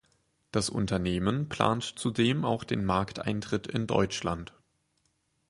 Das Unternehmen plant zudem auch den Markteintritt in Deutschland.